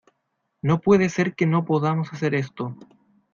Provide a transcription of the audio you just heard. no puede ser que no podamos hacer esto.